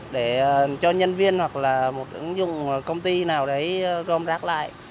để cho nhân viên hoặc ứng dụng công ty nào đấy gom giác lại